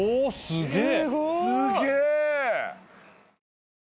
すげえ。